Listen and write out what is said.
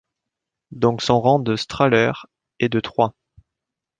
Donc son rang de Strahler est de trois.